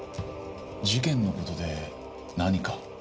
事件のことで何か？